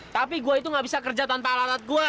tapi gue itu gak bisa kerja tanpa alat alat gue